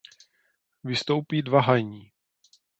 Vystoupí dva Hajní.